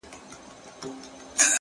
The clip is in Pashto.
o راته ستا حال راكوي؛